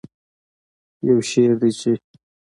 یو شعر دی چې